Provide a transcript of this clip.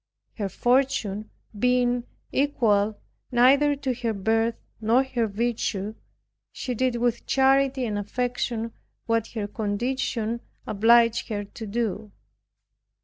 Her fortune being equal neither to her birth nor her virtue, she did with charity and affection what her condition obliged her to do.